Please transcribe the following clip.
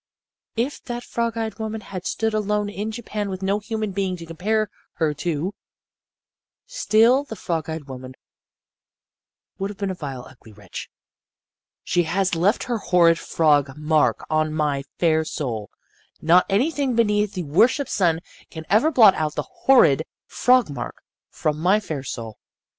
"If that frog eyed woman had stood alone in Japan with no human being to compare her to still the frog eyed woman would have been a vile, ugly wretch. "She has left her horrid frog mark on my fair soul. Not anything beneath the worshiped sun can ever blot out the horrid frog mark from my fair soul.